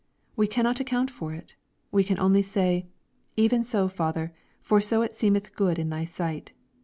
We cannot account for it. We can only say, " Even so, Father, for so it seemeth good in thy sight."